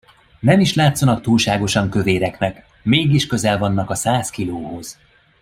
Nem is látszanak túlságosan kövéreknek, mégis közel vannak a száz kilóhoz.